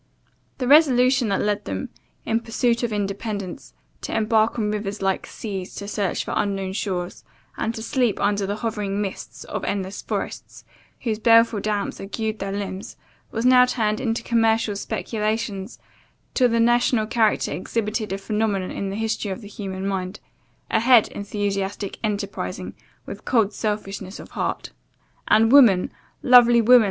The resolution, that led them, in pursuit of independence, to embark on rivers like seas, to search for unknown shores, and to sleep under the hovering mists of endless forests, whose baleful damps agued their limbs, was now turned into commercial speculations, till the national character exhibited a phenomenon in the history of the human mind a head enthusiastically enterprising, with cold selfishness of heart. And woman, lovely woman!